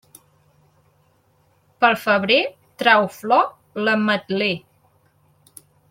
Pel febrer trau flor l'ametler.